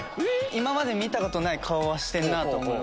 今まで見たことない顔はしてんなと思います。